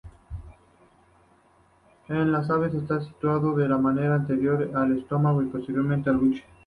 En las aves está situado de manera anterior al estómago y posterior al buche.